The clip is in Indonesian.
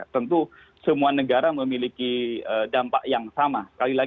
tentu semua negara memiliki dampak yang sama